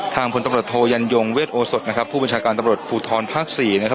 พลตำรวจโทยันยงเวทโอสดนะครับผู้บัญชาการตำรวจภูทรภาคสี่นะครับ